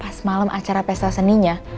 pas malam acara pesta seninya